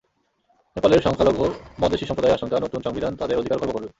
নেপালের সংখ্যালঘু মদেশি সম্প্রদায়ের আশঙ্কা, নতুন সংবিধান তাঁদের অধিকার খর্ব করবে।